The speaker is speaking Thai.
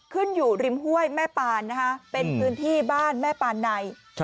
ขึ้นอยู่ริมห้วยแม่ปานนะคะเป็นพื้นที่บ้านแม่ปานใน